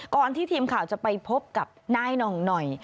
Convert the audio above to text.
ก่อนที่ทีมข่าวจะไปพบกับนายหน่องหน่อย